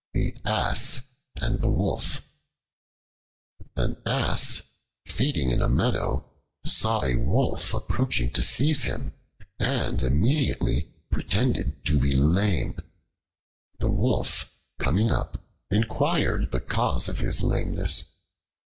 The Ass and the Wolf AN ASS feeding in a meadow saw a Wolf approaching to seize him, and immediately pretended to be lame. The Wolf, coming up, inquired the cause of his lameness.